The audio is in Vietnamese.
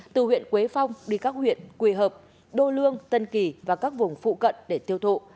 từ huyện quế phong đi các huyện quỳ hợp đô lương tân kỳ và các vùng phụ cận để tiêu thụ